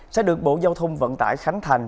sẽ được bộ giao thông vận tải khánh thành